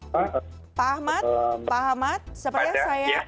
pak ahmad pak ahmad sepertinya saya